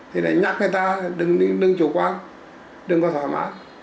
thì để nhắc người ta đừng chủ quan đừng có thoải mái